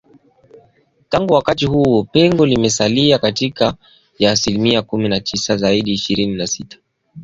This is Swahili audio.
Tangu wakati huo pengo limesalia kati ya asilimia kumi na tisa hadi ishirini na sita, kwani kiwango cha juu cha idadi ya watu kilichangia kupungua kwa ukuaji wa uchumi.